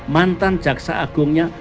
mantan jaksa agung nya